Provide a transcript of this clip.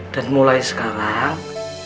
dan mulai sekarang